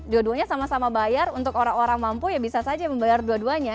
dua duanya sama sama bayar untuk orang orang mampu ya bisa saja membayar dua duanya